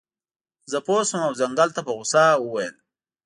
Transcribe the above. زه پوه شم او ځنګل ته په غوسه وویل.